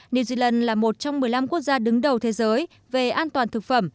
new zealand là một trong một mươi năm quốc gia đứng đầu thế giới về an toàn thực phẩm